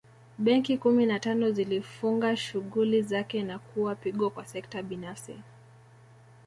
Benki kumi na tano zilifunga shughuli zake na kuwa pigo kwa sekta binafsi